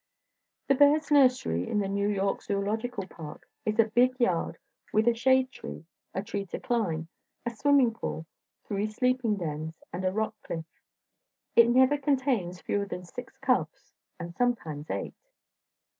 The Bears' Nursery at the New York Zoological Park is a big yard with a shade tree, a tree to climb, a swimming pool, three sleeping dens, and a rock cliff. It never contains fewer than six cubs, and sometimes eight.